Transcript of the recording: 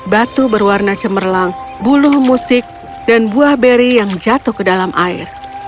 batu berwarna cemerlang buluh musik dan buah beri yang jatuh ke dalam air